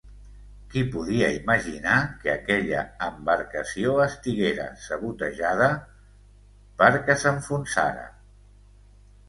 Qui podia imaginar que aquella embarcació estiguera sabotejada perquè s'enfonsara?